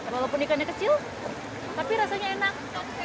walaupun ikannya kecil tapi rasanya enak